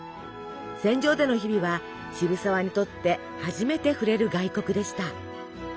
船上での日々は渋沢にとって初めて触れる外国でした。